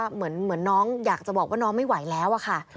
เหมือนน้องอยากจะบอกว่าน้องไม่ไหวแล้วอะค่ะ